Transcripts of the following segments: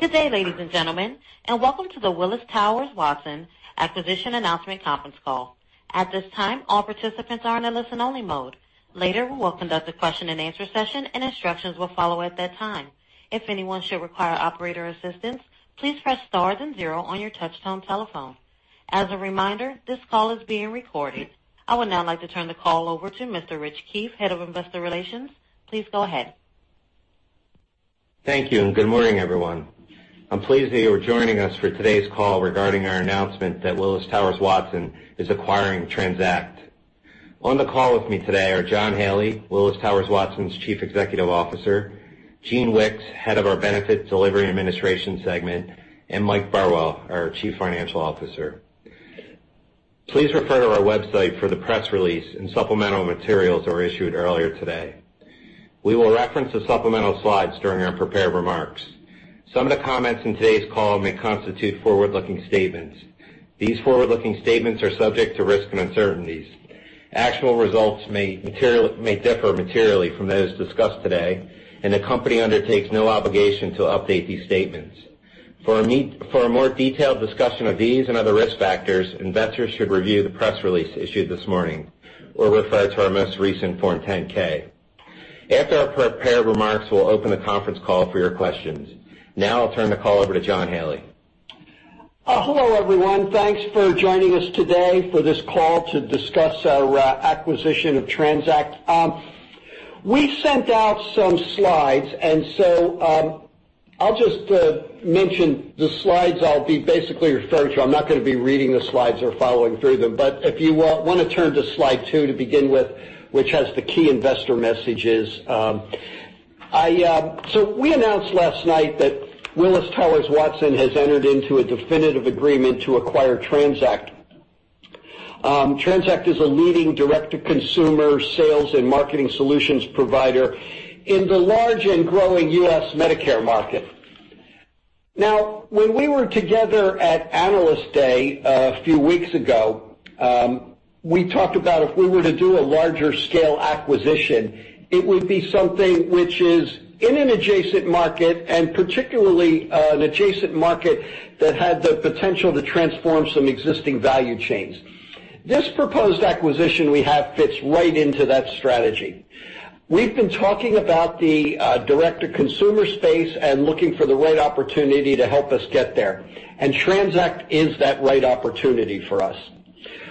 Good day, ladies and gentlemen, and welcome to the Willis Towers Watson Acquisition Announcement conference call. At this time, all participants are in a listen-only mode. Later, we will conduct a question-and-answer session, and instructions will follow at that time. If anyone should require operator assistance, please press star then zero on your touchtone telephone. As a reminder, this call is being recorded. I would now like to turn the call over to Mr. Rich Keefe, Head of Investor Relations. Please go ahead. Thank you. Good morning, everyone. I'm pleased that you are joining us for today's call regarding our announcement that Willis Towers Watson is acquiring TRANZACT. On the call with me today are John Haley, Willis Towers Watson's Chief Executive Officer, Gene Wickes, Head of our Benefits Delivery and Administration segment, and Mike Burwell, our Chief Financial Officer. Please refer to our website for the press release and supplemental materials that were issued earlier today. We will reference the supplemental slides during our prepared remarks. Some of the comments in today's call may constitute forward-looking statements. These forward-looking statements are subject to risks and uncertainties. Actual results may differ materially from those discussed today. The company undertakes no obligation to update these statements. For a more detailed discussion of these and other risk factors, investors should review the press release issued this morning or refer to our most recent Form 10-K. After our prepared remarks, we'll open the conference call for your questions. I'll turn the call over to John Haley. Hello, everyone. Thanks for joining us today for this call to discuss our acquisition of TRANZACT. We sent out some slides. I'll just mention the slides I'll be basically referring to. I'm not going to be reading the slides or following through them. If you want to turn to slide two to begin with, which has the key investor messages. We announced last night that Willis Towers Watson has entered into a definitive agreement to acquire TRANZACT. TRANZACT is a leading direct-to-consumer sales and marketing solutions provider in the large and growing U.S. Medicare market. When we were together at Analyst Day a few weeks ago, we talked about if we were to do a larger scale acquisition, it would be something which is in an adjacent market, and particularly an adjacent market that had the potential to transform some existing value chains. This proposed acquisition we have fits right into that strategy. We've been talking about the direct-to-consumer space and looking for the right opportunity to help us get there. TRANZACT is that right opportunity for us.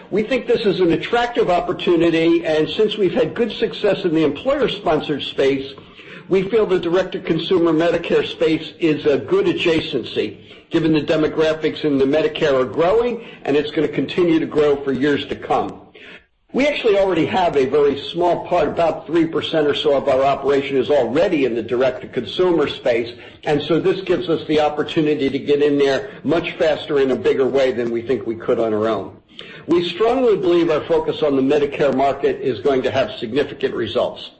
We think this is an attractive opportunity, since we've had good success in the employer-sponsored space, we feel the direct-to-consumer Medicare space is a good adjacency, given the demographics in the Medicare are growing, and it's going to continue to grow for years to come. We actually already have a very small part. About 3% or so of our operation is already in the direct-to-consumer space, this gives us the opportunity to get in there much faster in a bigger way than we think we could on our own. We strongly believe our focus on the Medicare market is going to have significant results.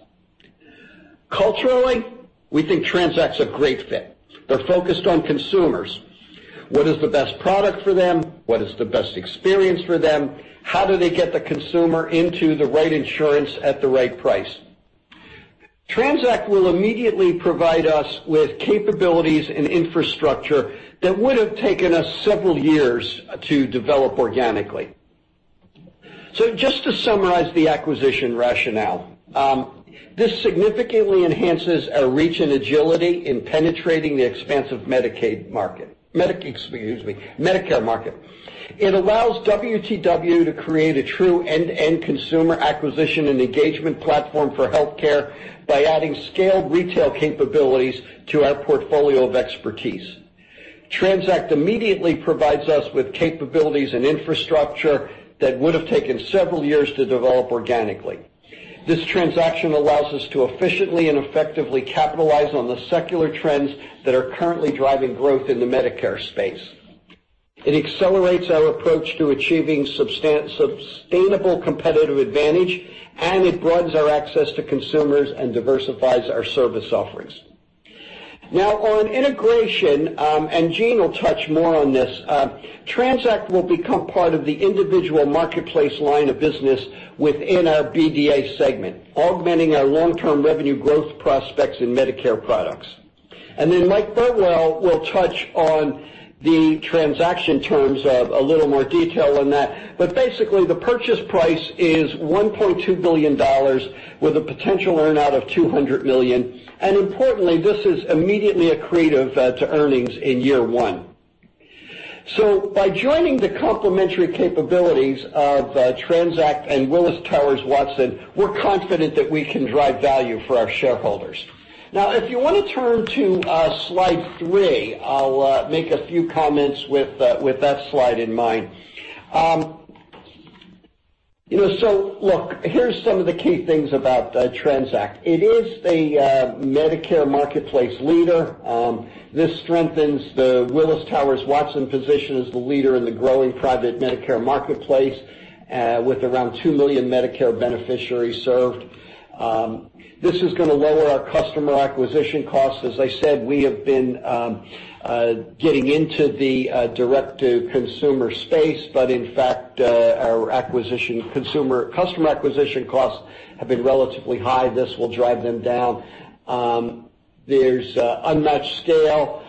Culturally, we think TRANZACT's a great fit. They're focused on consumers. What is the best product for them? What is the best experience for them? How do they get the consumer into the right insurance at the right price? TRANZACT will immediately provide us with capabilities and infrastructure that would have taken us several years to develop organically. Just to summarize the acquisition rationale, this significantly enhances our reach and agility in penetrating the expansive Medicare market. Excuse me, Medicare market. It allows WTW to create a true end-to-end consumer acquisition and engagement platform for healthcare by adding scaled retail capabilities to our portfolio of expertise. TRANZACT immediately provides us with capabilities and infrastructure that would have taken several years to develop organically. This transaction allows us to efficiently and effectively capitalize on the secular trends that are currently driving growth in the Medicare space. It accelerates our approach to achieving sustainable competitive advantage, it broadens our access to consumers and diversifies our service offerings. Now on integration, Gene will touch more on this, TRANZACT will become part of the Individual Marketplace line of business within our BDA segment, augmenting our long-term revenue growth prospects in Medicare products. Mike Burwell will touch on the transaction terms, a little more detail on that. Basically, the purchase price is $1.2 billion, with a potential earn-out of $200 million. Importantly, this is immediately accretive to earnings in year one. By joining the complementary capabilities of TRANZACT and Willis Towers Watson, we're confident that we can drive value for our shareholders. Now, if you want to turn to slide three, I'll make a few comments with that slide in mind. Look, here's some of the key things about TRANZACT. It is a Medicare marketplace leader. This strengthens the Willis Towers Watson position as the leader in the growing private Medicare marketplace, with around two million Medicare beneficiaries served. This is going to lower our customer acquisition costs. As I said, we have been getting into the direct-to-consumer space, in fact, our customer acquisition costs have been relatively high. This will drive them down. There's unmatched scale.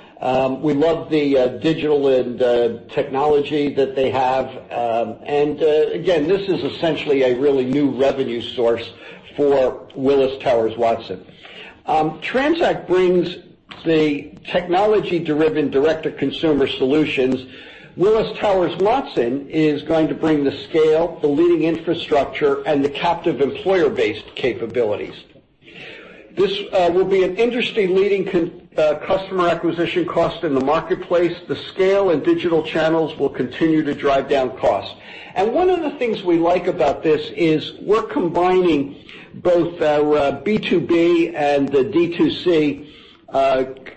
We love the digital and technology that they have. Again, this is essentially a really new revenue source for Willis Towers Watson. TRANZACT brings the technology-driven direct-to-consumer solutions. Willis Towers Watson is going to bring the scale, the leading infrastructure, and the captive employer-based capabilities. This will be an industry-leading customer acquisition cost in the marketplace. The scale and digital channels will continue to drive down costs. One of the things we like about this is we're combining both our B2B and the D2C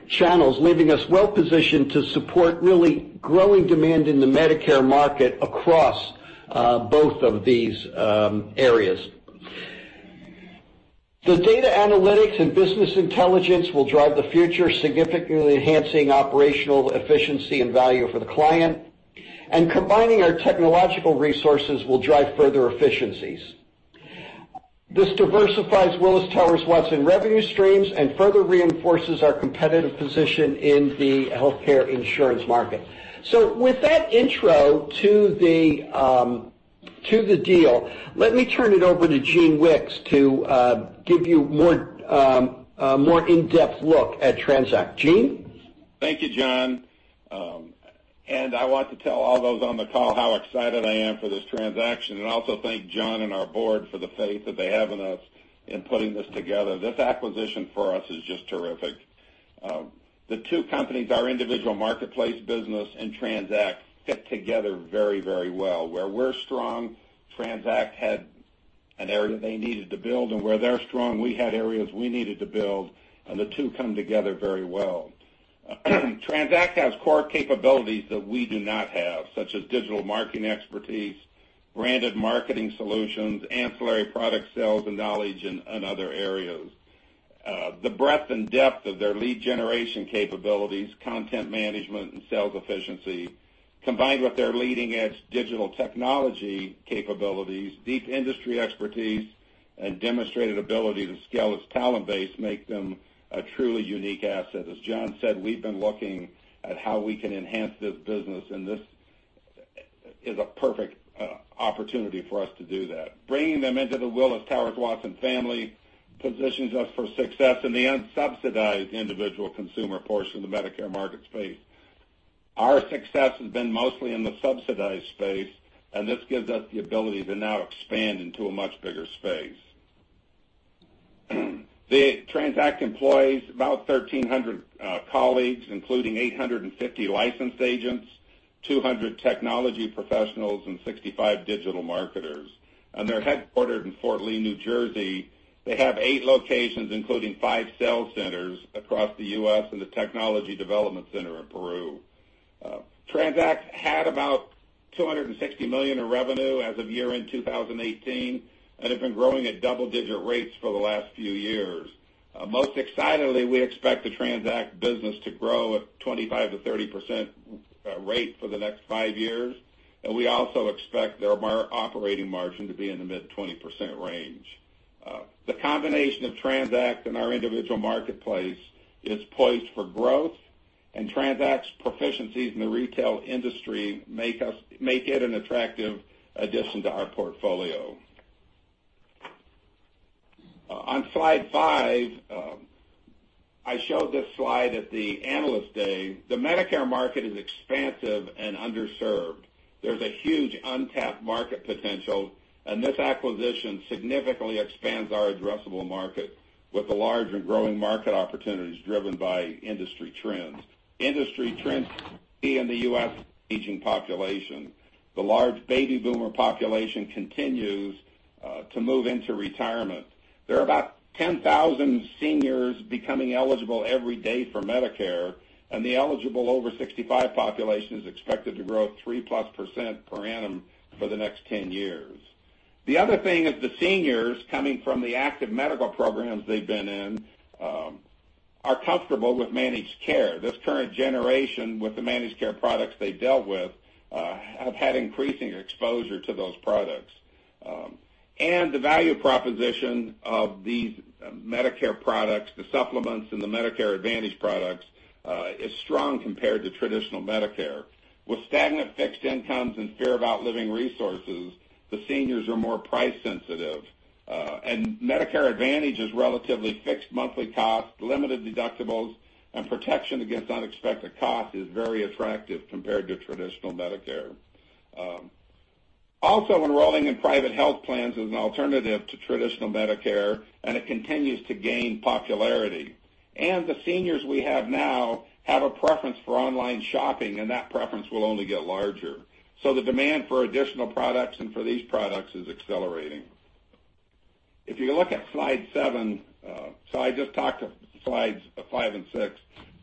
channels, leaving us well-positioned to support really growing demand in the Medicare market across both of these areas. The data analytics and business intelligence will drive the future, significantly enhancing operational efficiency and value for the client. Combining our technological resources will drive further efficiencies. This diversifies Willis Towers Watson revenue streams and further reinforces our competitive position in the healthcare insurance market. With that intro to the deal, let me turn it over to Gene Wickes to give you a more in-depth look at TRANZACT. Gene? Thank you, John. I want to tell all those on the call how excited I am for this transaction, and also thank John and our board for the faith that they have in us in putting this together. This acquisition for us is just terrific. The two companies, our Individual Marketplace business and TRANZACT, fit together very well. Where we're strong, TRANZACT had an area they needed to build, and where they're strong, we had areas we needed to build, and the two come together very well. TRANZACT has core capabilities that we do not have, such as digital marketing expertise, branded marketing solutions, ancillary product sales and knowledge, and other areas. The breadth and depth of their lead generation capabilities, content management, and sales efficiency, combined with their leading-edge digital technology capabilities, deep industry expertise, and demonstrated ability to scale its talent base, make them a truly unique asset. As John said, we've been looking at how we can enhance this business, and this is a perfect opportunity for us to do that. Bringing them into the Willis Towers Watson family positions us for success in the unsubsidized individual consumer portion of the Medicare market space. Our success has been mostly in the subsidized space, and this gives us the ability to now expand into a much bigger space. TRANZACT employs about 1,300 colleagues, including 850 licensed agents, 200 technology professionals, and 65 digital marketers. They're headquartered in Fort Lee, New Jersey. They have eight locations, including five sales centers across the U.S., and a technology development center in Peru. TRANZACT had about $260 million in revenue as of year-end 2018, have been growing at double-digit rates for the last few years. Most excitingly, we expect the TRANZACT business to grow at a 25%-30% rate for the next five years, we also expect their operating margin to be in the mid-20% range. The combination of TRANZACT and our Individual Marketplace is poised for growth, TRANZACT's proficiencies in the retail industry make it an attractive addition to our portfolio. On slide five, I showed this slide at the analyst day. The Medicare market is expansive and underserved. There's a huge untapped market potential, this acquisition significantly expands our addressable market with the large and growing market opportunities driven by industry trends. Industry trends in the U.S. aging population. The large baby boomer population continues to move into retirement. There are about 10,000 seniors becoming eligible every day for Medicare, and the eligible over-65 population is expected to grow 3%+ per annum for the next 10 years. The other thing is the seniors coming from the active medical programs they've been in are comfortable with managed care. This current generation with the managed care products they've dealt with have had increasing exposure to those products. The value proposition of these Medicare products, the supplements, and the Medicare Advantage products is strong compared to traditional Medicare. With stagnant fixed incomes and fear about living resources, the seniors are more price-sensitive. Medicare Advantage's relatively fixed monthly cost, limited deductibles, and protection against unexpected costs is very attractive compared to traditional Medicare. Enrolling in private health plans is an alternative to traditional Medicare, and it continues to gain popularity. The seniors we have now have a preference for online shopping, and that preference will only get larger. The demand for additional products and for these products is accelerating. If you look at slide seven, I just talked to slides five and six.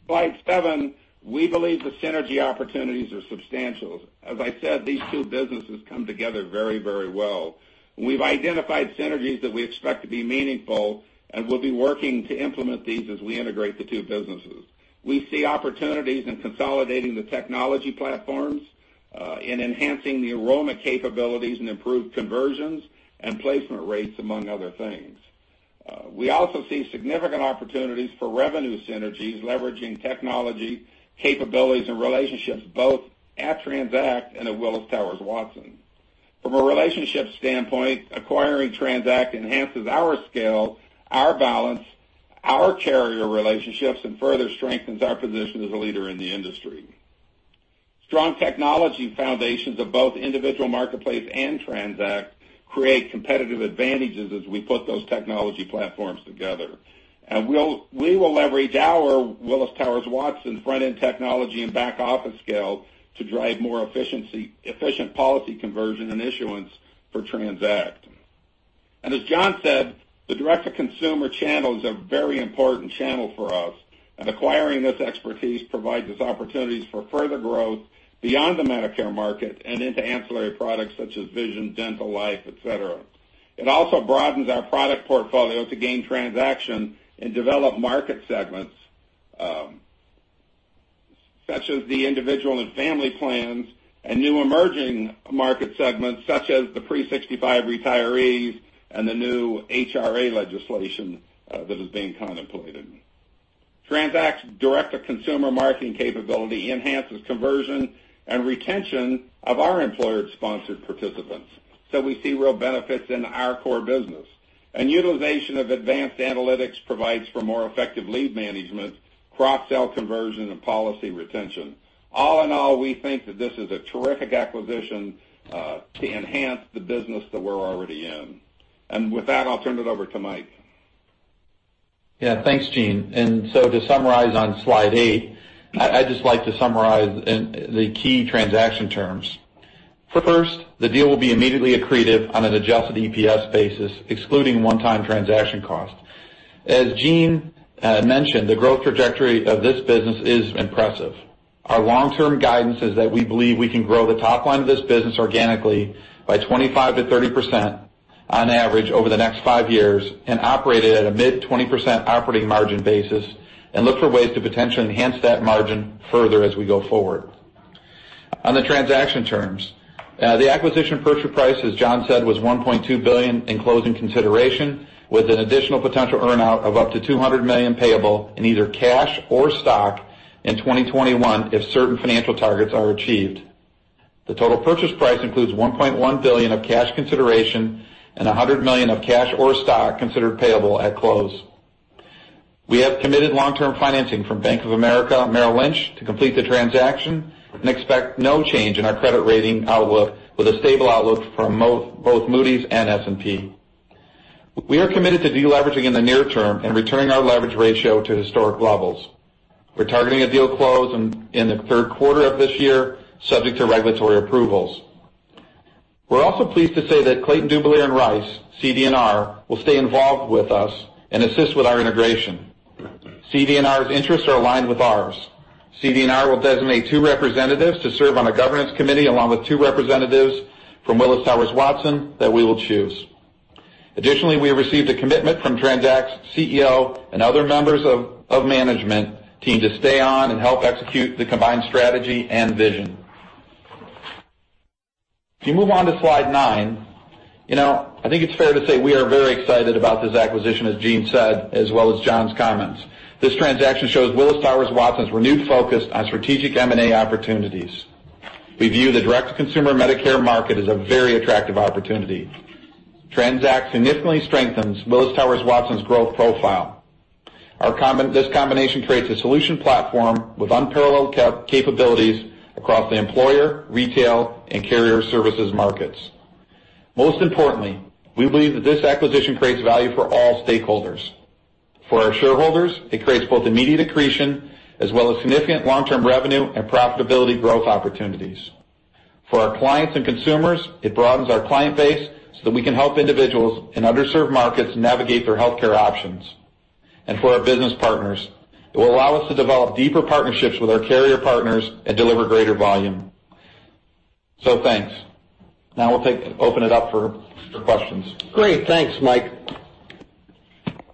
Slide seven, we believe the synergy opportunities are substantial. As I said, these two businesses come together very well. We've identified synergies that we expect to be meaningful, and we'll be working to implement these as we integrate the two businesses. We see opportunities in consolidating the technology platforms, in enhancing the enrollment capabilities and improved conversions and placement rates, among other things. We also see significant opportunities for revenue synergies, leveraging technology capabilities and relationships, both at TRANZACT and at Willis Towers Watson. From a relationship standpoint, acquiring TRANZACT enhances our scale, our balance, our carrier relationships, and further strengthens our position as a leader in the industry. Strong technology foundations of both Individual Marketplace and TRANZACT create competitive advantages as we put those technology platforms together. We will leverage our Willis Towers Watson front-end technology and back-office scale to drive more efficient policy conversion and issuance for TRANZACT. As John said, the direct-to-consumer channel is a very important channel for us, and acquiring this expertise provides us opportunities for further growth beyond the Medicare market and into ancillary products such as vision, dental, life, et cetera. It also broadens our product portfolio to gain transaction and develop market segments, such as the individual and family plans and new emerging market segments such as the pre-65 retirees and the new HRA legislation that is being contemplated. TRANZACT's direct-to-consumer marketing capability enhances conversion and retention of our employer-sponsored participants. We see real benefits in our core business. Utilization of advanced analytics provides for more effective lead management, cross-sell conversion, and policy retention. All in all, we think that this is a terrific acquisition to enhance the business that we're already in. With that, I'll turn it over to Mike. Thanks, Gene. To summarize on slide eight, I'd just like to summarize the key transaction terms. First, the deal will be immediately accretive on an adjusted EPS basis, excluding one-time transaction cost. As Gene mentioned, the growth trajectory of this business is impressive. Our long-term guidance is that we believe we can grow the top line of this business organically by 25%-30% on average over the next 5 years and operate it at a mid-20% operating margin basis and look for ways to potentially enhance that margin further as we go forward. On the transaction terms, the acquisition purchase price, as John said, was $1.2 billion in closing consideration with an additional potential earn-out of up to $200 million payable in either cash or stock in 2021 if certain financial targets are achieved. The total purchase price includes $1.1 billion of cash consideration and $100 million of cash or stock considered payable at close. We have committed long-term financing from Bank of America Merrill Lynch to complete the transaction and expect no change in our credit rating outlook with a stable outlook from both Moody's and S&P. We are committed to deleveraging in the near term and returning our leverage ratio to historic levels. We're targeting a deal close in the third quarter of this year, subject to regulatory approvals. We're also pleased to say that Clayton, Dubilier & Rice, CD&R, will stay involved with us and assist with our integration. CD&R's interests are aligned with ours. CD&R will designate two representatives to serve on a governance committee along with two representatives from Willis Towers Watson that we will choose. Additionally, we have received a commitment from TRANZACT's CEO and other members of management team to stay on and help execute the combined strategy and vision. If you move on to slide nine, I think it's fair to say we are very excited about this acquisition, as Gene said, as well as John's comments. This transaction shows Willis Towers Watson's renewed focus on strategic M&A opportunities. We view the direct-to-consumer Medicare market as a very attractive opportunity. TRANZACT significantly strengthens Willis Towers Watson's growth profile. This combination creates a solution platform with unparalleled capabilities across the employer, retail, and carrier services markets. Most importantly, we believe that this acquisition creates value for all stakeholders. For our shareholders, it creates both immediate accretion as well as significant long-term revenue and profitability growth opportunities. For our clients and consumers, it broadens our client base so that we can help individuals in underserved markets navigate their healthcare options. For our business partners, it will allow us to develop deeper partnerships with our carrier partners and deliver greater volume. Thanks. Now we'll open it up for questions. Great. Thanks, Mike.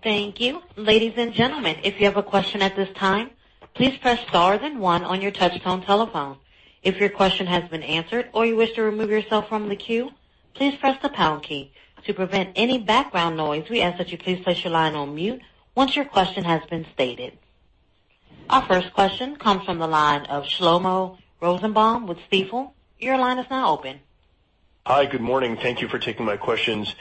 Thank you. Ladies and gentlemen, if you have a question at this time, please press star then one on your touchtone telephone. If your question has been answered or you wish to remove yourself from the queue, please press the pound key. To prevent any background noise, we ask that you please place your line on mute once your question has been stated. Our first question comes from the line of Shlomo Rosenbaum with Stifel. Your line is now open. Hi. Good morning. Thank you for taking my questions.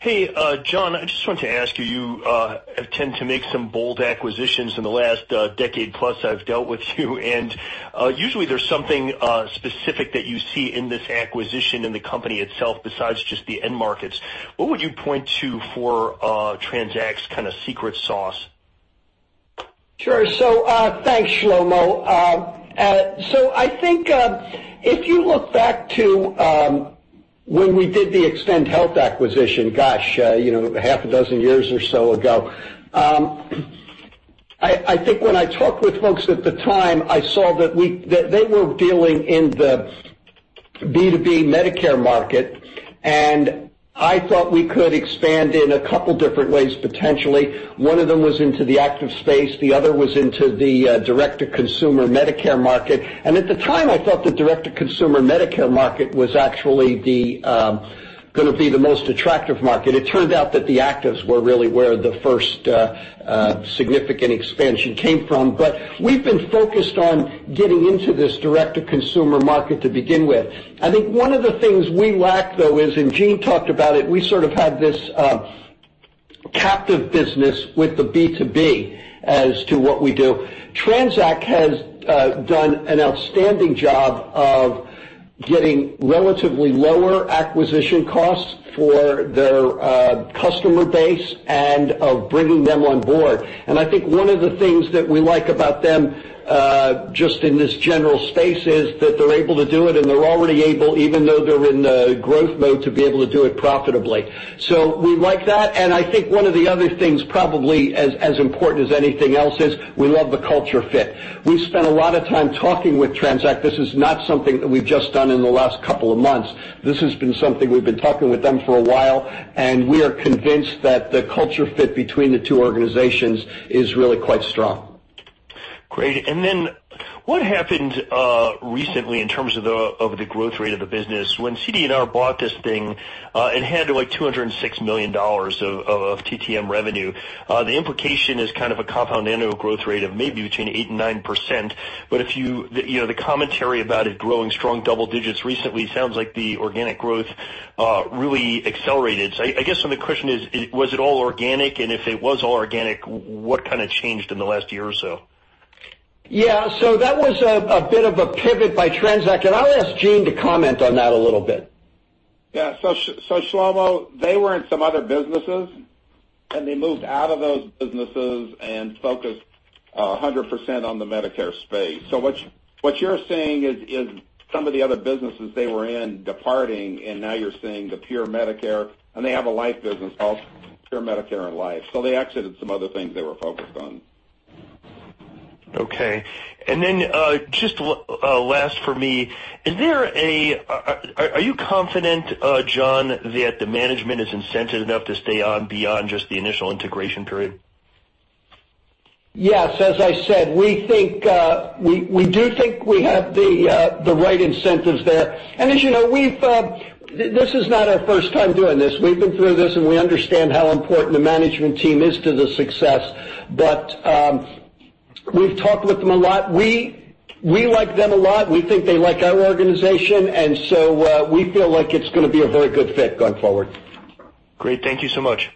Hey, John, I just wanted to ask you have tended to make some bold acquisitions in the last decade plus I've dealt with you, and usually, there's something specific that you see in this acquisition in the company itself besides just the end markets. What would you point to for TRANZACT's kind of secret sauce? Sure. Thanks, Shlomo. I think if you look back to when we did the Extend Health acquisition, gosh, half a dozen years or so ago, I think when I talked with folks at the time, I saw that they were dealing in the B2B Medicare market. I thought we could expand in a couple different ways, potentially. One of them was into the active space, the other was into the direct-to-consumer Medicare market. At the time, I thought the direct-to-consumer Medicare market was actually going to be the most attractive market. It turned out that the actives were really where the first significant expansion came from. We've been focused on getting into this direct-to-consumer market to begin with. I think one of the things we lack, though, is, and Gene talked about it, we sort of had this captive business with the B2B as to what we do. TRANZACT has done an outstanding job of getting relatively lower acquisition costs for their customer base and of bringing them on board. I think one of the things that we like about them, just in this general space, is that they're able to do it, and they're already able, even though they're in the growth mode, to be able to do it profitably. We like that, I think one of the other things, probably as important as anything else, is we love the culture fit. We've spent a lot of time talking with TRANZACT. This is not something that we've just done in the last couple of months. This has been something we've been talking with them for a while, and we are convinced that the culture fit between the two organizations is really quite strong. Great. What happened recently in terms of the growth rate of the business? When CD&R bought this thing, it had like $206 million of TTM revenue. The implication is kind of a compound annual growth rate of maybe between 8% and 9%, but the commentary about it growing strong double digits recently sounds like the organic growth really accelerated. I guess the question is, was it all organic? If it was all organic, what kind of changed in the last year or so? Yeah. That was a bit of a pivot by TRANZACT, I'll ask Gene to comment on that a little bit. Yeah. Shlomo, they were in some other businesses, and they moved out of those businesses and focused 100% on the Medicare space. What you're seeing is some of the other businesses they were in departing, and now you're seeing the pure Medicare, and they have a life business also, pure Medicare and life. They exited some other things they were focused on. Okay. Just last for me, are you confident, John, that the management is incented enough to stay on beyond just the initial integration period? Yes. As I said, we do think we have the right incentives there. As you know, this is not our first time doing this. We've been through this, and we understand how important the management team is to the success. We've talked with them a lot. We like them a lot. We think they like our organization, we feel like it's going to be a very good fit going forward. Great. Thank you so much.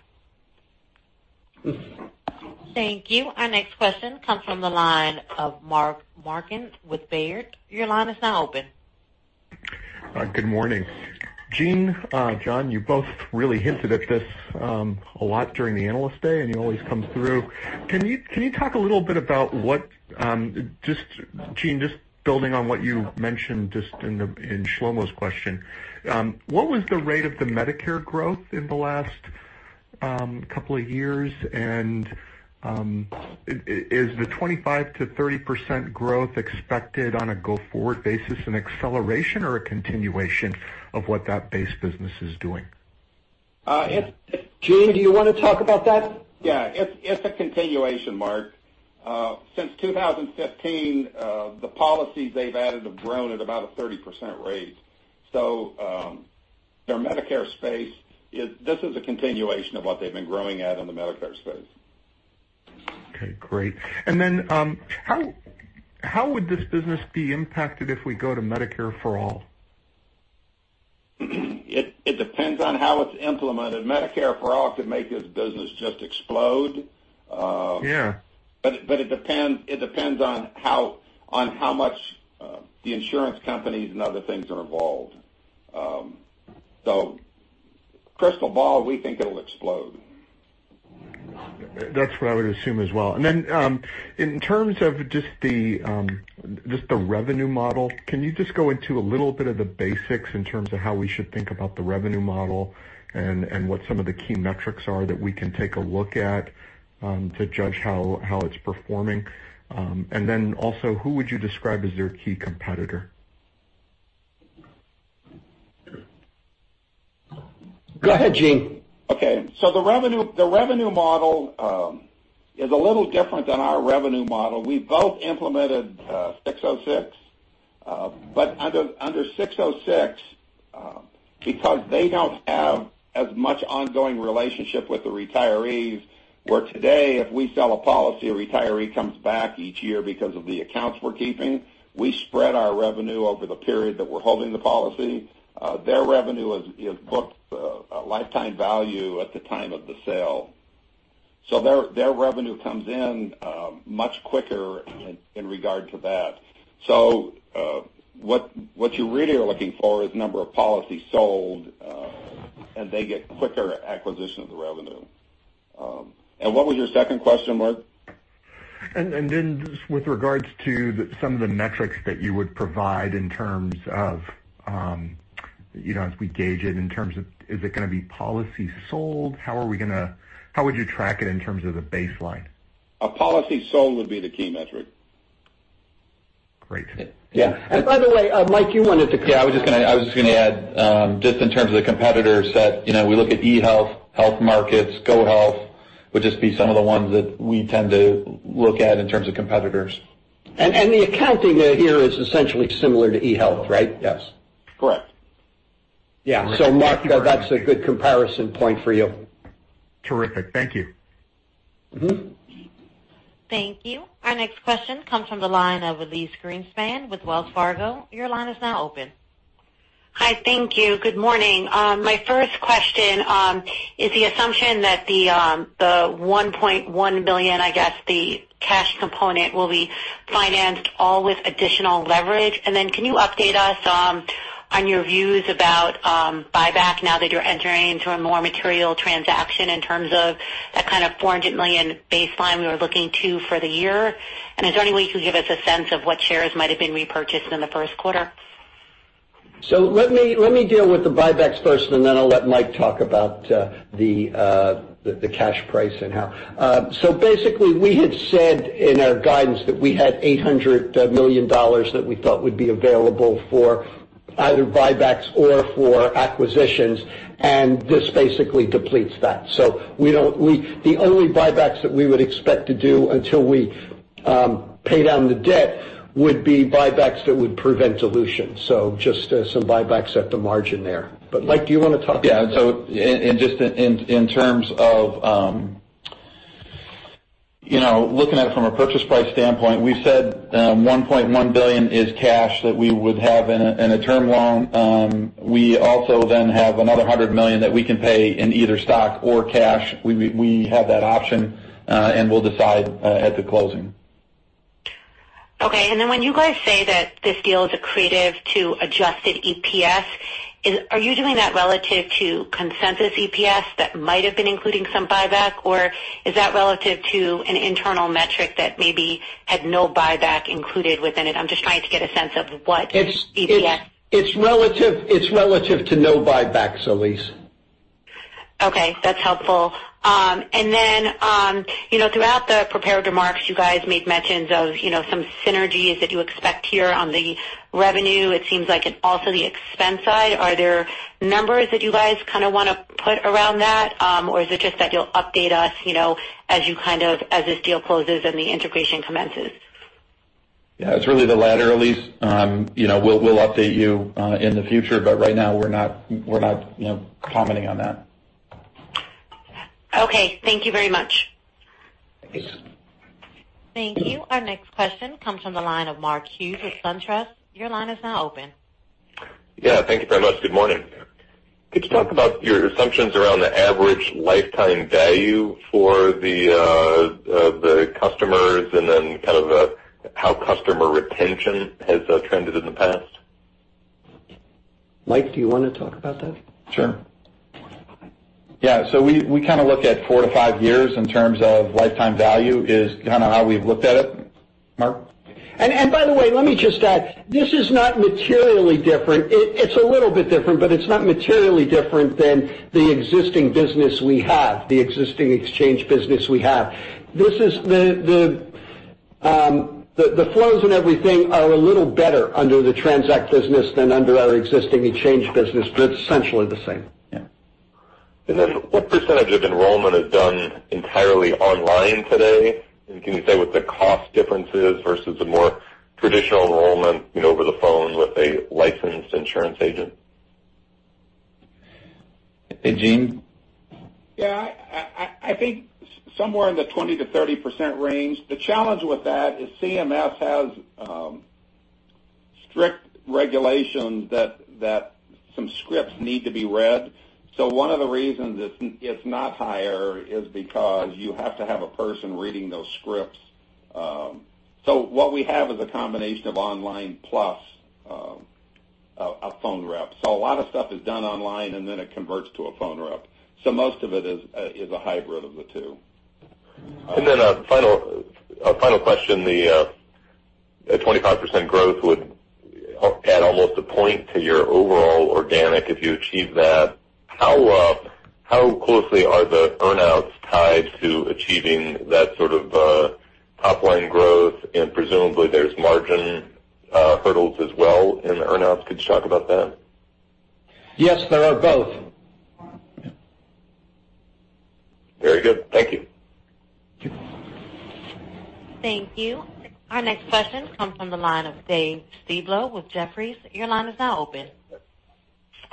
Thank you. Our next question comes from the line of Mark Marcon with Baird. Your line is now open. Good morning. Gene, John, you both really hinted at this a lot during the Analyst Day, and you always come through. Can you talk a little bit about what, Gene, just building on what you mentioned just in Shlomo's question, what was the rate of the Medicare growth in the last couple of years? Is the 25%-30% growth expected on a go-forward basis an acceleration or a continuation of what that base business is doing? Gene, do you want to talk about that? Yeah. It's a continuation, Mark. Since 2015, the policies they've added have grown at about a 30% rate. Their Medicare space, this is a continuation of what they've been growing at in the Medicare space. Okay, great. How would this business be impacted if we go to Medicare for All? It depends on how it's implemented. Medicare for All could make this business just explode. Yeah. It depends on how much the insurance companies and other things are involved. Crystal ball, we think it'll explode. That's what I would assume as well. In terms of just the revenue model, can you just go into a little bit of the basics in terms of how we should think about the revenue model and what some of the key metrics are that we can take a look at to judge how it's performing? Who would you describe as their key competitor? Go ahead, Gene. The revenue model is a little different than our revenue model. We both implemented 606. Under 606, because they don't have as much ongoing relationship with the retirees, where today, if we sell a policy, a retiree comes back each year because of the accounts we're keeping, we spread our revenue over the period that we're holding the policy. Their revenue is booked a lifetime value at the time of the sale. Their revenue comes in much quicker in regard to that. What you really are looking for is number of policies sold, and they get quicker acquisition of the revenue. What was your second question, Mark? Just with regards to some of the metrics that you would provide As we gauge it in terms of is it going to be policy sold? How would you track it in terms of the baseline? A policy sold would be the key metric. Great. Yeah. By the way, Mike, you wanted to comment. Yeah, I was just going to add, just in terms of the competitors set, we look at eHealth, HealthMarkets, GoHealth, would just be some of the ones that we tend to look at in terms of competitors. The accounting here is essentially similar to eHealth, right? Yes. Correct. Yeah. Mark, that's a good comparison point for you. Terrific. Thank you. Thank you. Our next question comes from the line of Elyse Greenspan with Wells Fargo. Your line is now open. Hi, thank you. Good morning. My first question is the assumption that the $1.1 billion, I guess the cash component will be financed all with additional leverage. Can you update us on your views about buyback now that you're entering into a more material transaction in terms of that kind of $400 million baseline we were looking to for the year? Is there any way you could give us a sense of what shares might've been repurchased in the first quarter? Let me deal with the buybacks first, and then I'll let Mike talk about the cash price and how. Basically, we had said in our guidance that we had $800 million that we thought would be available for either buybacks or for acquisitions, and this basically depletes that. The only buybacks that we would expect to do until we pay down the debt would be buybacks that would prevent dilution. Just some buybacks at the margin there. Mike, do you want to talk about that? Just in terms of looking at it from a purchase price standpoint, we said $1.1 billion is cash that we would have in a term loan. We also have another 100 million that we can pay in either stock or cash. We have that option, we'll decide at the closing. Okay, then when you guys say that this deal is accretive to adjusted EPS, are you doing that relative to consensus EPS that might have been including some buyback? Is that relative to an internal metric that maybe had no buyback included within it? I'm just trying to get a sense of what EPS- It's relative to no buybacks, Elyse. Okay, then, throughout the prepared remarks, you guys made mentions of some synergies that you expect here on the revenue. It seems like also the expense side. Are there numbers that you guys want to put around that? Is it just that you'll update us as this deal closes and the integration commences? Yeah, it's really the latter, Elyse. We'll update you in the future, but right now we're not commenting on that. Okay. Thank you very much. Thanks. Thank you. Our next question comes from the line of Mark Hughes with SunTrust. Your line is now open. Yeah, thank you very much. Good morning. Could you talk about your assumptions around the average lifetime value for the customers and then how customer retention has trended in the past? Mike, do you want to talk about that? Sure. Yeah, we look at four to five years in terms of lifetime value is how we've looked at it, Mark. By the way, let me just add, this is not materially different. It's a little bit different, but it's not materially different than the existing business we have, the existing exchange business we have. The flows and everything are a little better under the TRANZACT business than under our existing exchange business, but it's essentially the same. Yeah. Then what % of enrollment is done entirely online today? Can you say what the cost difference is versus a more traditional enrollment over the phone with a licensed insurance agent? Hey, Gene? Yeah. I think somewhere in the 20%-30% range. The challenge with that is CMS has strict regulations that some scripts need to be read. One of the reasons it's not higher is because you have to have a person reading those scripts. What we have is a combination of online plus a phone rep. A lot of stuff is done online, and then it converts to a phone rep. Most of it is a hybrid of the two. A final question. The 25% growth would add almost a point to your overall organic if you achieve that. How closely are the earn-outs tied to achieving that sort of top-line growth? Presumably, there's margin hurdles as well in the earn-outs. Could you talk about that? Yes, there are both. Very good. Thank you. Thank you. Thank you. Our next question comes from the line of Dave Styblo with Jefferies. Your line is now open.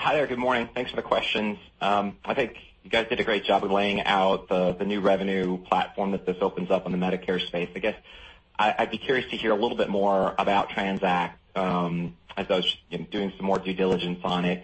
Hi there. Good morning. Thanks for the questions. I think you guys did a great job of laying out the new revenue platform that this opens up in the Medicare space. I guess I'd be curious to hear a little bit more about TRANZACT, as I was doing some more due diligence on it.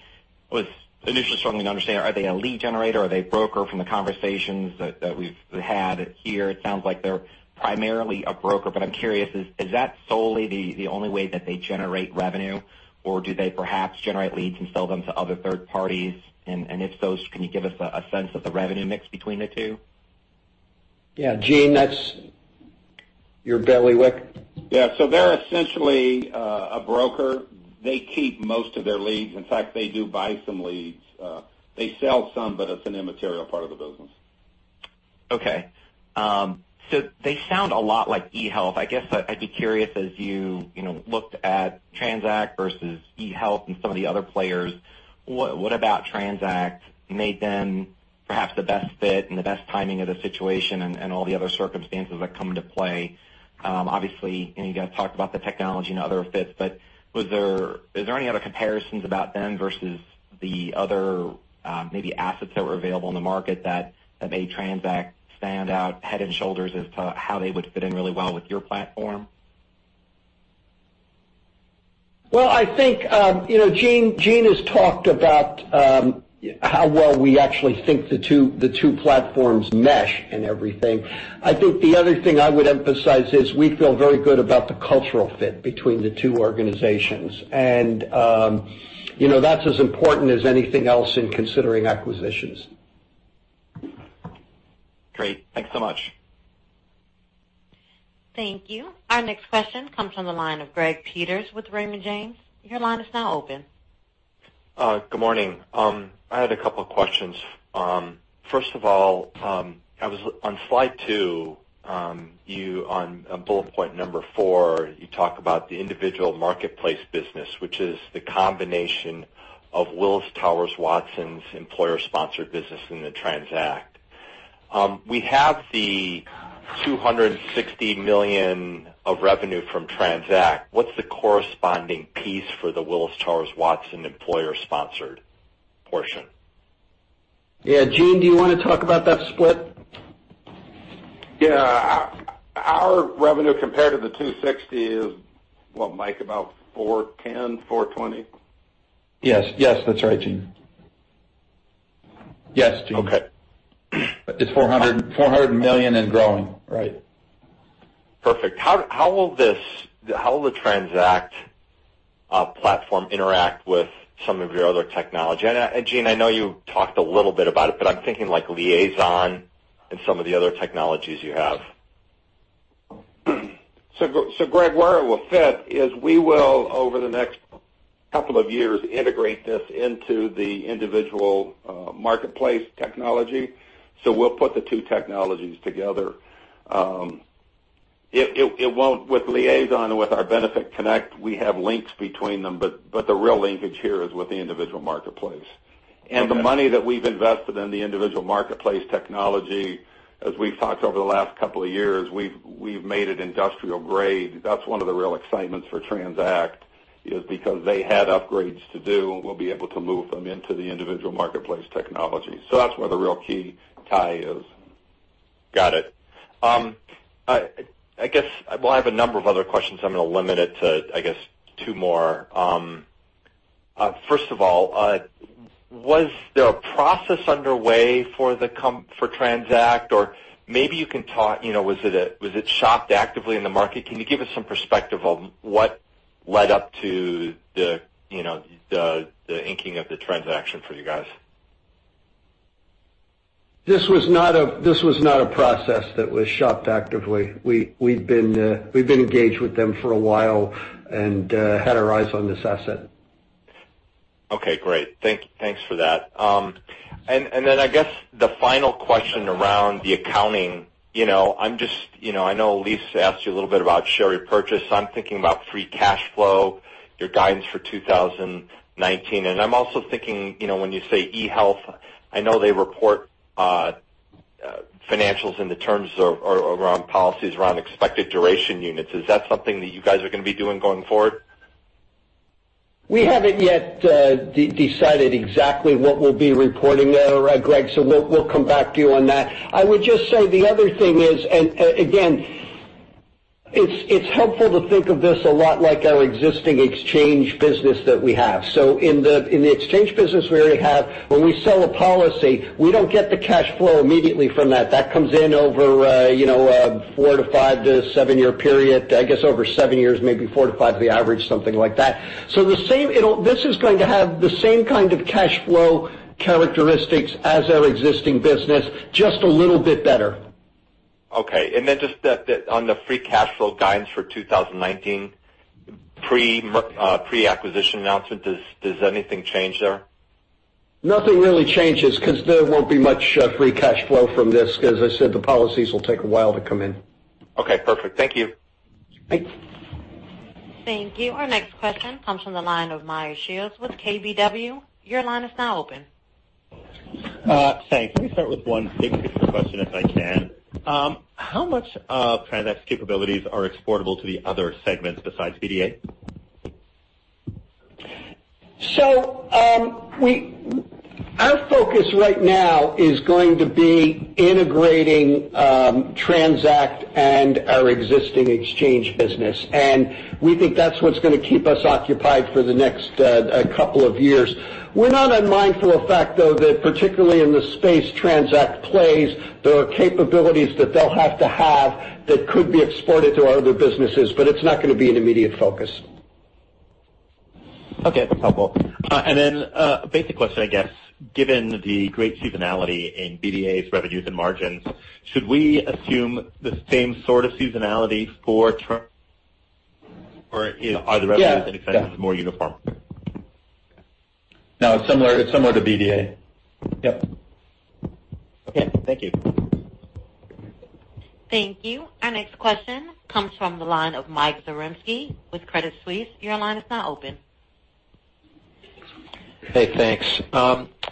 I was initially struggling to understand, are they a lead generator? Are they a broker from the conversations that we've had here? It sounds like they're primarily a broker, but I'm curious, is that solely the only way that they generate revenue, or do they perhaps generate leads and sell them to other third parties? If so, can you give us a sense of the revenue mix between the two? Yeah, Gene, that's your bailiwick. Yeah. They're essentially a broker. They keep most of their leads. In fact, they do buy some leads. They sell some, but it's an immaterial part of the business. Okay. They sound a lot like eHealth. I guess, I'd be curious, as you looked at TRANZACT versus eHealth and some of the other players, what about TRANZACT made them perhaps the best fit and the best timing of the situation and all the other circumstances that come into play? Obviously, you guys talked about the technology and other fits, but is there any other comparisons about them versus the other, maybe assets that were available in the market that made TRANZACT stand out head and shoulders as to how they would fit in really well with your platform? Well, I think, Gene has talked about how well we actually think the two platforms mesh and everything. I think the other thing I would emphasize is we feel very good about the cultural fit between the two organizations, and that's as important as anything else in considering acquisitions. Great. Thanks so much. Thank you. Our next question comes from the line of Greg Peters with Raymond James. Your line is now open. Good morning. I had a couple of questions. First of all, on slide two, on bullet point number 4, you talk about the Individual Marketplace business, which is the combination of Willis Towers Watson's employer-sponsored business in the TRANZACT. We have the $260 million of revenue from TRANZACT. What's the corresponding piece for the Willis Towers Watson employer-sponsored portion? Yeah. Gene, do you want to talk about that split? Yeah. Our revenue compared to the $260 is, what, Mike? About $410-$420? Yes, that's right, Gene. Yes, Gene. Okay. It's $400 million and growing. Right. Perfect. How will the TRANZACT platform interact with some of your other technology? Gene, I know you talked a little bit about it, but I'm thinking like Liaison and some of the other technologies you have. Greg, where it will fit is we will, over the next couple of years, integrate this into the Individual Marketplace technology. We'll put the two technologies together. With Liaison and with our BenefitConnect, we have links between them, but the real linkage here is with the Individual Marketplace. Okay. The money that we've invested in the Individual Marketplace technology, as we've talked over the last couple of years, we've made it industrial grade. That's one of the real excitements for TRANZACT, is because they had upgrades to do, and we'll be able to move them into the Individual Marketplace technology. That's where the real key tie is. Got it. Well, I have a number of other questions. I'm going to limit it to, I guess, two more. First of all, was there a process underway for TRANZACT, or maybe you can talk, was it shopped actively in the market? Can you give us some perspective on what led up to the inking of the transaction for you guys? This was not a process that was shopped actively. We'd been engaged with them for a while and had our eyes on this asset. Okay, great. Thanks for that. I guess the final question around the accounting. I know Elyse asked you a little bit about share repurchase, so I'm thinking about free cash flow, your guidance for 2019. I'm also thinking, when you say eHealth, I know they report financials in the terms around policies, around expected duration units. Is that something that you guys are going to be doing going forward? We haven't yet decided exactly what we'll be reporting there, Greg, we'll come back to you on that. I would just say the other thing is, again, it's helpful to think of this a lot like our existing exchange business that we have. In the exchange business we already have, when we sell a policy, we don't get the cash flow immediately from that. That comes in over a four to five to seven year period. I guess over seven years, maybe four to five is the average, something like that. This is going to have the same kind of cash flow characteristics as our existing business, just a little bit better. Okay. Just on the free cash flow guidance for 2019, pre-acquisition announcement, does anything change there? Nothing really changes because there won't be much free cash flow from this, because as I said, the policies will take a while to come in. Okay, perfect. Thank you. Thank you. Thank you. Our next question comes from the line of Meyer Shields with KBW. Your line is now open. Thanks. Let me start with one big picture question, if I can. How much of TRANZACT's capabilities are exportable to the other segments besides BDA? Our focus right now is going to be integrating TRANZACT and our existing exchange business, and we think that's what's going to keep us occupied for the next couple of years. We're not unmindful of the fact, though, that particularly in the space TRANZACT plays, there are capabilities that they'll have to have that could be exported to our other businesses, but it's not going to be an immediate focus. Okay, that's helpful. A basic question, I guess. Given the great seasonality in BDA's revenues and margins, should we assume the same sort of seasonality for TRANZACT? Or are the revenues- Yeah Expenses more uniform? No, it's similar to BDA. Yep. Okay. Thank you. Thank you. Our next question comes from the line of Michael Zaremski with Credit Suisse. Your line is now open. Hey, thanks.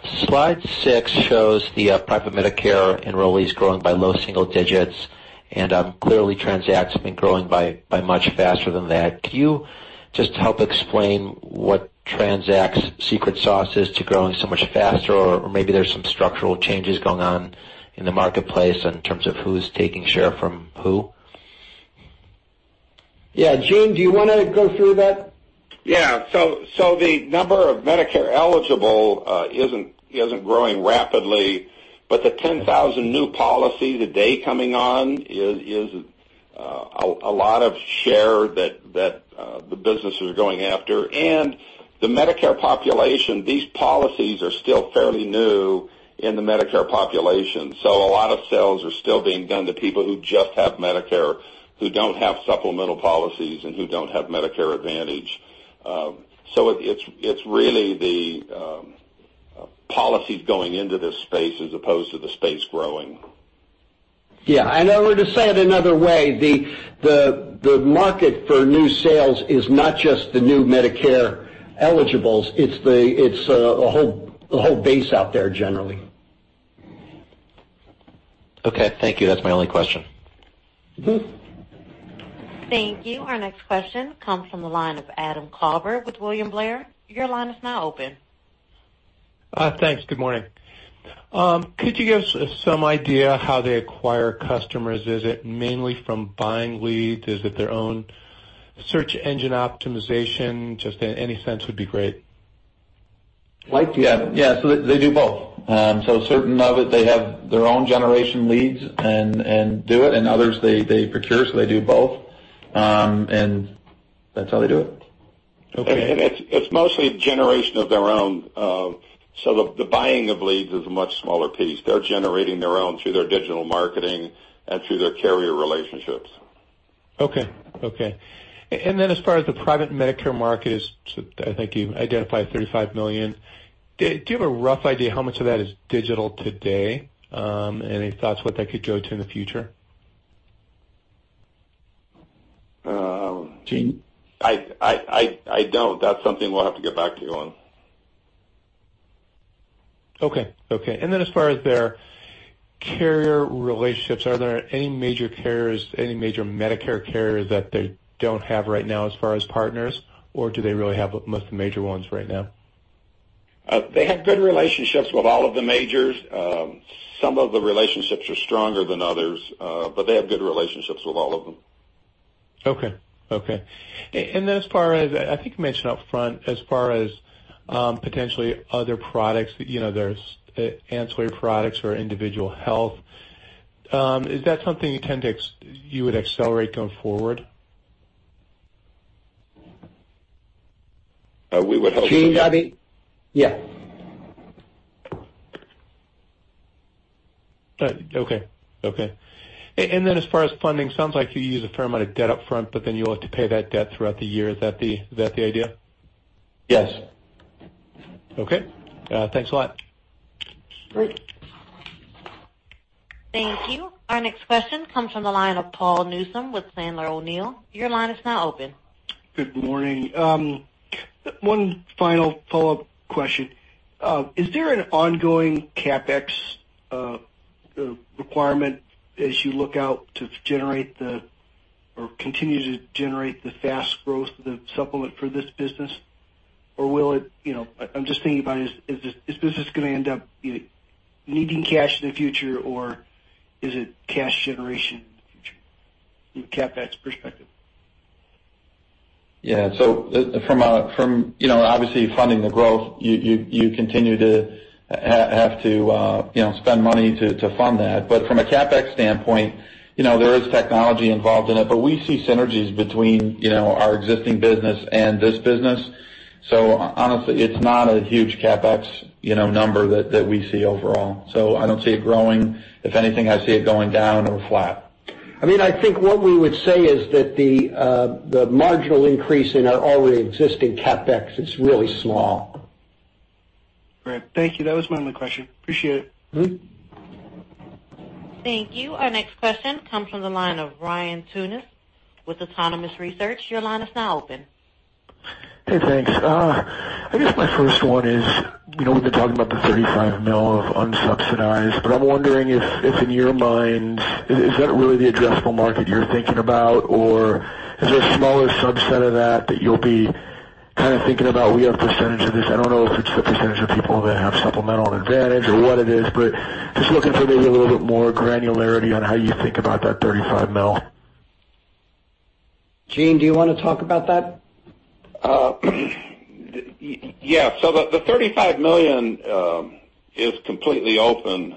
Slide six shows the private Medicare enrollees growing by low single digits. Clearly TRANZACT's been growing by much faster than that. Could you just help explain what TRANZACT's secret sauce is to growing so much faster? Or maybe there's some structural changes going on in the marketplace in terms of who's taking share from who. Yeah. Gene, do you want to go through that? Yeah. The number of Medicare eligible isn't growing rapidly, but the 10,000 new policies a day coming on is a lot of share that the business is going after. The Medicare population, these policies are still fairly new in the Medicare population. A lot of sales are still being done to people who just have Medicare, who don't have supplemental policies and who don't have Medicare Advantage. It's really the policies going into this space as opposed to the space growing. Yeah. We're to say it another way, the market for new sales is not just the new Medicare eligibles, it's the whole base out there generally. Okay. Thank you. That's my only question. Thank you. Our next question comes from the line of Adam Klauber with William Blair. Your line is now open. Thanks. Good morning. Could you give us some idea how they acquire customers? Is it mainly from buying leads? Is it their own search engine optimization? Just any sense would be great. Mike, do you? Yeah. They do both. Certain of it, they have their own generation leads and do it, and others they procure. They do both. That's how they do it. Okay. It's mostly generation of their own. The buying of leads is a much smaller piece. They're generating their own through their digital marketing and through their carrier relationships. Okay. As far as the private Medicare market is, I think you identified $35 million. Do you have a rough idea how much of that is digital today? Any thoughts what that could go to in the future? Gene? I don't. That's something we'll have to get back to you on. Okay. As far as their carrier relationships, are there any major carriers, any major Medicare carriers that they don't have right now as far as partners? Do they really have most of the major ones right now? They have good relationships with all of the majors. Some of the relationships are stronger than others. They have good relationships with all of them. Okay. As far as, I think you mentioned up front, as far as potentially other products, there's ancillary products for individual health. Is that something you would accelerate going forward? We would hope so. Gene, do you have any? Yeah. Okay. As far as funding, sounds like you use a fair amount of debt up front, but then you'll have to pay that debt throughout the year. Is that the idea? Yes. Okay. Thanks a lot. Great. Thank you. Our next question comes from the line of Paul Newsome with Sandler O'Neill. Your line is now open. Good morning. One final follow-up question. Is there an ongoing CapEx requirement as you look out to continue to generate the fast growth of the supplement for this business? I'm just thinking about, is this business going to end up either needing cash in the future or is it cash generation in the future from a CapEx perspective? Yeah. Obviously funding the growth, you continue to have to spend money to fund that. From a CapEx standpoint, there is technology involved in it, we see synergies between our existing business and this business. Honestly, it's not a huge CapEx number that we see overall. I don't see it growing. If anything, I see it going down or flat. I think what we would say is that the marginal increase in our already existing CapEx is really small. Great. Thank you. That was my only question. Appreciate it. Thank you. Our next question comes from the line of Ryan Tunis with Autonomous Research. Your line is now open. Hey, thanks. I guess my first one is, we've been talking about the 35 mil of unsubsidized, I'm wondering if in your minds, is that really the addressable market you're thinking about? Or is there a smaller subset of that that you'll be kind of thinking about, we have percentage of this. I don't know if it's the percentage of people that have supplemental and Medicare Advantage or what it is, just looking for maybe a little bit more granularity on how you think about that 35 mil. Gene, do you want to talk about that? Yeah. The 35 million is completely open.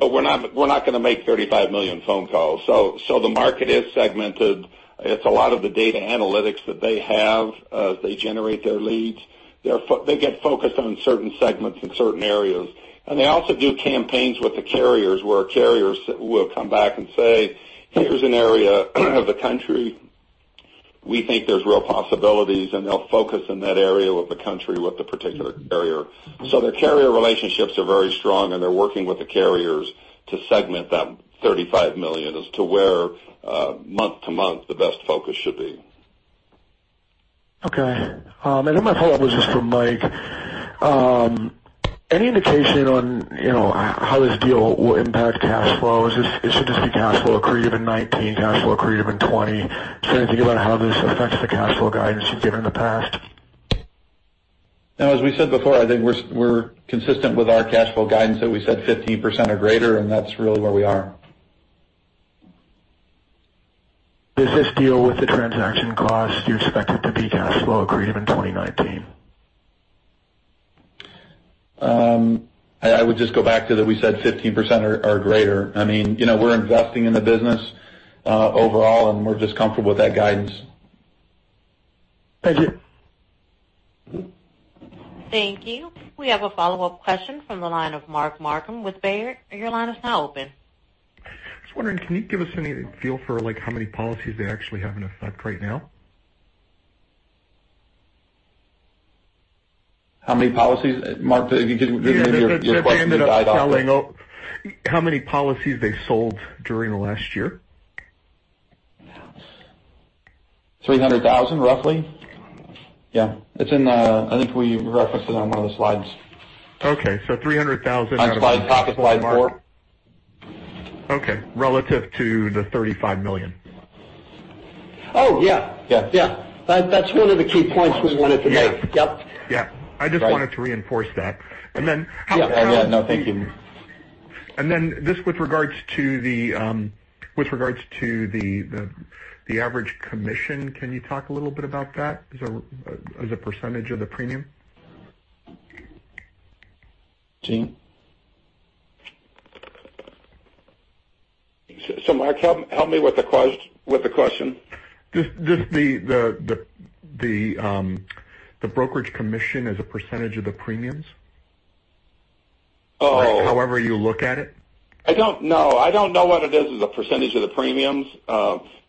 We're not going to make 35 million phone calls. The market is segmented. It's a lot of the data analytics that they have as they generate their leads. They get focused on certain segments in certain areas. They also do campaigns with the carriers, where carriers will come back and say, "Here's an area of the country we think there's real possibilities," and they'll focus in that area of the country with a particular carrier. Their carrier relationships are very strong, and they're working with the carriers to segment that 35 million as to where, month to month, the best focus should be. Okay. My follow-up was just for Mike. Any indication on how this deal will impact cash flows? It should just be cash flow accretive in 2019, cash flow accretive in 2020. Just trying to think about how this affects the cash flow guidance you've given in the past. No, as we said before, I think we're consistent with our cash flow guidance that we said 15% or greater, and that's really where we are. Does this deal with the transaction cost, do you expect it to be cash flow accretive in 2019? I would just go back to that we said 15% or greater. We're investing in the business, overall, and we're just comfortable with that guidance. Thank you. Thank you. We have a follow-up question from the line of Mark Marcon with Baird. Your line is now open. I was wondering, can you give us any feel for how many policies they actually have in effect right now? How many policies? Mark, maybe your question died off there. How many policies they sold during the last year? 300,000, roughly. Yeah. I think we referenced it on one of the slides. Okay. $300,000. Next slide. Top of slide four. Okay. Relative to the $35 million. Oh, yeah. Yeah. Yeah. That's really the key points we wanted to make. Yeah. Yep. Yeah. I just wanted to reinforce that. Yeah, no, thank you. This, with regards to the average commission, can you talk a little bit about that as a % of the premium? Gene? Mark, help me with the question. Just the brokerage commission as a % of the premiums. Oh. However you look at it. I don't know. I don't know what it is as a % of the premiums.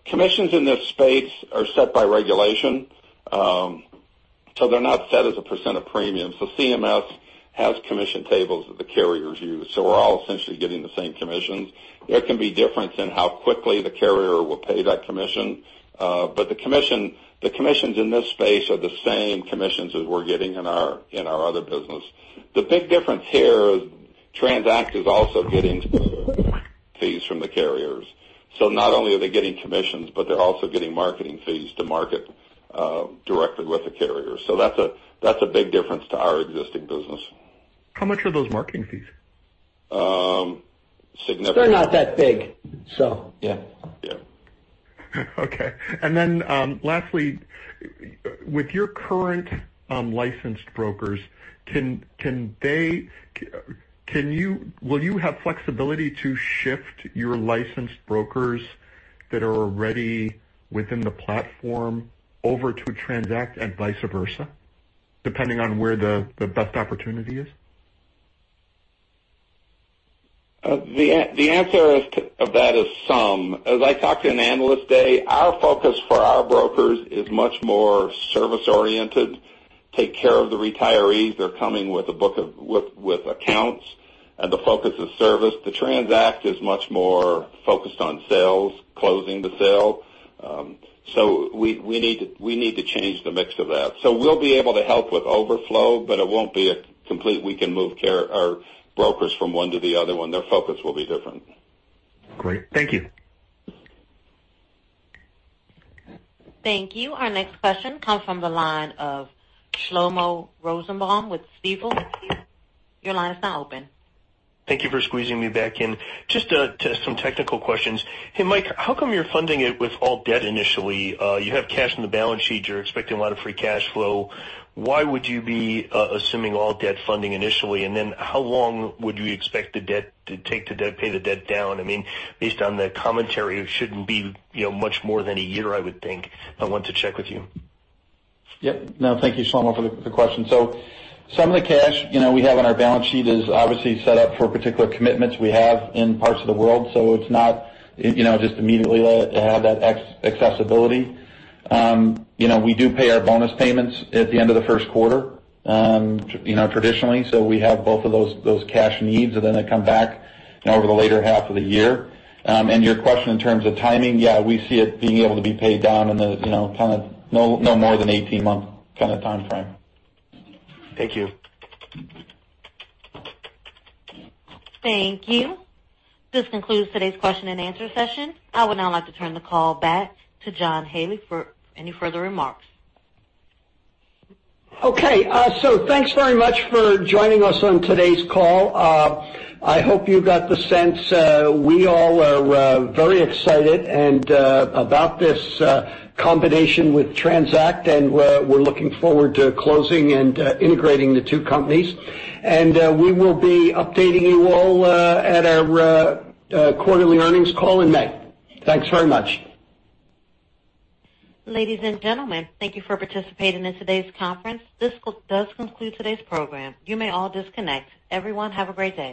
Commissions in this space are set by regulation. They're not set as a % of premiums. CMS has commission tables that the carriers use. We're all essentially getting the same commissions. There can be difference in how quickly the carrier will pay that commission. The commissions in this space are the same commissions as we're getting in our other business. The big difference here is TRANZACT is also getting fees from the carriers. Not only are they getting commissions, but they're also getting marketing fees to market directly with the carrier. That's a big difference to our existing business. How much are those marketing fees? Significant. They're not that big. Yeah. Yeah. Okay. Lastly, with your current licensed brokers, will you have flexibility to shift your licensed brokers that are already within the platform over to TRANZACT and vice versa, depending on where the best opportunity is? The answer of that is some. As I talked in Analyst Day, our focus for our brokers is much more service-oriented, take care of the retirees. They're coming with accounts, and the focus is service. The TRANZACT is much more focused on sales, closing the sale. We need to change the mix of that. We'll be able to help with overflow, but it won't be a complete we can move brokers from one to the other one. Their focus will be different. Great. Thank you. Thank you. Our next question comes from the line of Shlomo Rosenbaum with Stifel. Your line is now open. Thank you for squeezing me back in. Just some technical questions. Hey, Mike, how come you're funding it with all debt initially? You have cash in the balance sheet. You're expecting a lot of free cash flow. Why would you be assuming all debt funding initially? How long would you expect to take to pay the debt down? Based on the commentary, it shouldn't be much more than a year, I would think. I want to check with you. Yep. No, thank you, Shlomo, for the question. Some of the cash we have on our balance sheet is obviously set up for particular commitments we have in parts of the world. It's not just immediately have that accessibility. We do pay our bonus payments at the end of the first quarter, traditionally. We have both of those cash needs, then they come back over the later half of the year. Your question in terms of timing, yeah, we see it being able to be paid down in the no more than 18-month timeframe. Thank you. Thank you. This concludes today's question and answer session. I would now like to turn the call back to John Haley for any further remarks. Okay, thanks very much for joining us on today's call. I hope you got the sense, we all are very excited about this combination with TRANZACT, and we're looking forward to closing and integrating the two companies. We will be updating you all at our quarterly earnings call in May. Thanks very much. Ladies and gentlemen, thank you for participating in today's conference. This does conclude today's program. You may all disconnect. Everyone, have a great day.